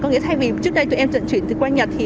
có nghĩa là thay vì trước đây tụi em trận chuyển qua nhật